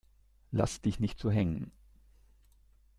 Lass dich nicht so hängen!